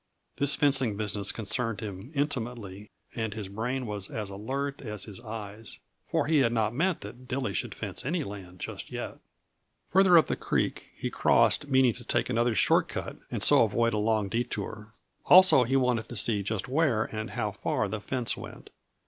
This fencing business concerned him intimately, and his brain was as alert as his eyes. For he had not meant that Dilly should fence any land just yet. Farther up the creek he crossed, meaning to take another short cut and so avoid a long detour; also, he wanted to see just where and how far the fence went.